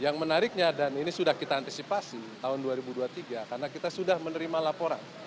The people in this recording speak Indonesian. yang menariknya dan ini sudah kita antisipasi tahun dua ribu dua puluh tiga karena kita sudah menerima laporan